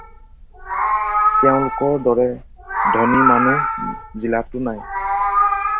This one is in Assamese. তেওঁলোকৰ দৰে ধনী মানুহ জিলাতো নাই।